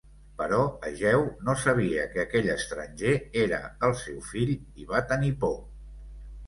Però Egeu no sabia que aquell estranger era el seu fill i va tenir por.